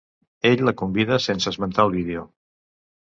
Ell la convida sense esmentar el vídeo.